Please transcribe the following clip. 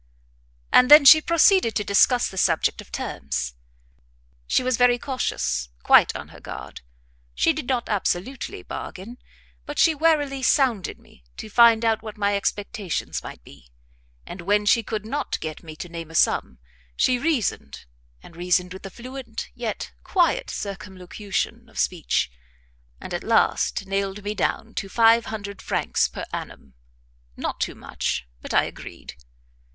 And then she proceeded to discuss the subject of terms. She was very cautious, quite on her guard; she did not absolutely bargain, but she warily sounded me to find out what my expectations might be; and when she could not get me to name a sum, she reasoned and reasoned with a fluent yet quiet circumlocution of speech, and at last nailed me down to five hundred francs per annum not too much, but I agreed.